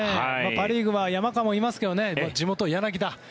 パ・リーグは山川もいますが地元の柳田。